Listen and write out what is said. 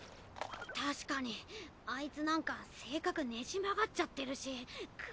確かにアイツなんか性格ねじ曲がっちゃってるし。